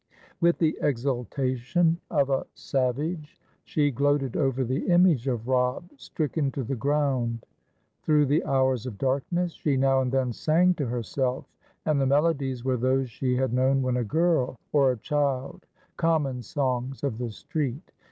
With the exultation of a savage she gloated over the image of Robb stricken to the ground. Through the hours of darkness, she now and then sang to herself, and the melodies were those she had known when a girl, or a child, common songs of the street.